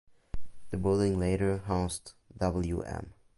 The building later housed Wm.